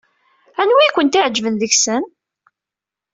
Anwa ay kent-iɛejben deg-sen?